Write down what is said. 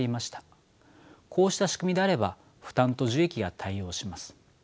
こうした仕組みであれば負担と受益が対応します。